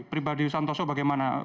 pribadi santoso bagaimana